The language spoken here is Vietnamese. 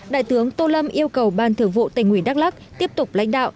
đại tướng tô lâm yêu cầu ban thử vụ tỉnh uy đắk lắc tiếp tục lãnh đạo